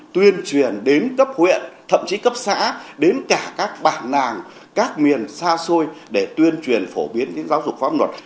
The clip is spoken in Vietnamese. thậm chí cấp xã đến cả các bản nàng các miền xa xôi để tuyên truyền phổ biến giáo dục pháp luật